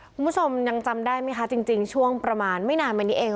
คุณผู้ชมยังจำได้ไหมคะจริงช่วงประมาณไม่นานมานี้เอง